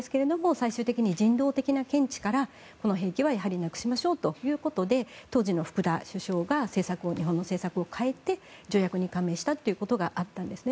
最終的に人道的な見地からこの兵器はやはりなくしましょうということで当時の福田首相が日本の政策を変えて条約に加盟したということがあったんですね。